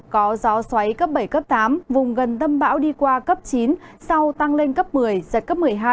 có gió xoáy cấp bảy cấp tám vùng gần tâm bão đi qua cấp chín sau tăng lên cấp một mươi giật cấp một mươi hai